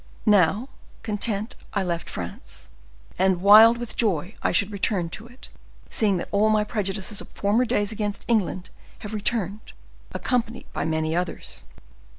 Now, content I left France, and wild with joy I should return to it, seeing that all my prejudices of former days against England have returned, accompanied by many others."